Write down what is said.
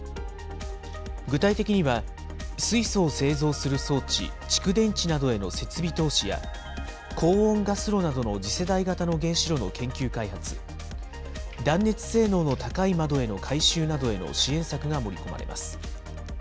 具体的には、水素を製造する装置、蓄電池などへの設備投資や、高温ガス炉などの次世代型の原子炉の研究開発、断熱性能の高い窓への改修などへの支援策が盛り込まれます。